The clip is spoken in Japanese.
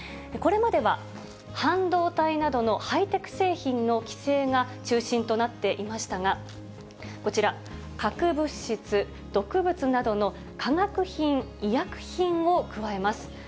これまでは半導体などのハイテク製品の規制が中心となっていましたが、こちら、核物質、毒物などの化学品、医薬品を加えます。